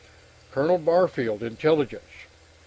"Colonel Barfield, Intelligence?"